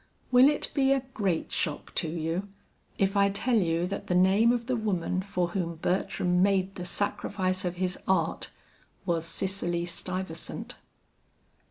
"Will it be a great shock to you, if I tell you that the name of the woman for whom Bertram made the sacrifice of his art, was Cicely Stuyvesant?"